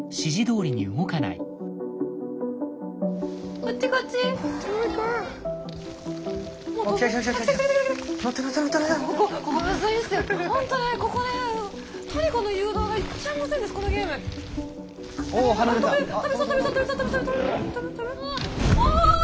おお！